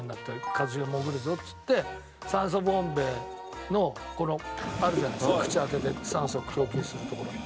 「一茂潜るぞ」っつって酸素ボンベのこのあるじゃないですか口開けて酸素供給するとこが。